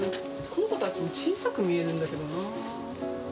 この子たちも小さく見えるんだけどな。